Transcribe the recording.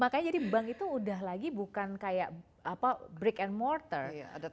makanya jadi bank itu udah lagi bukan kayak break and morter